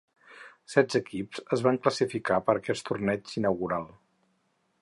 Setze equips es van classificar per a aquest torneig inaugural.